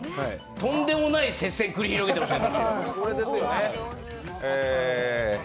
とんでもない接戦繰り広げてましたね。